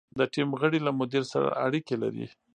د ټیم غړي له مدیر سره اړیکې لري.